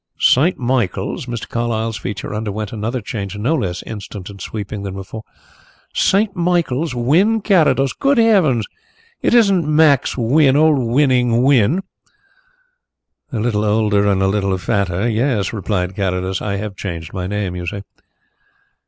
"St. Michael's!" Mr. Carlyle's features underwent another change, no less instant and sweeping than before. "St. Michael's! Wynn Carrados? Good heavens! it isn't Max Wynn old 'Winning' Wynn"? "A little older and a little fatter yes," replied Carrados. "I have changed my name you see."